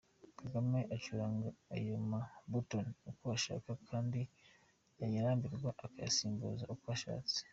Kagame acuranga ayo ma bouton uko ashaka kandi yayarambirwa akayasimbuza uko ashatse.